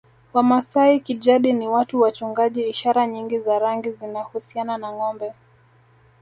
Wamasai kijadi ni watu wachungaji ishara nyingi za rangi zinahusiana na ngombe